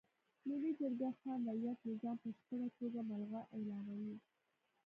ملي جرګه خان رعیت نظام په بشپړه توګه ملغا اعلانوي.